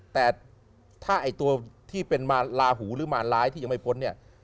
แต่ถ้าตัวที่เป็นลาหูหรือมารร้ายที่ยังไม่พ้น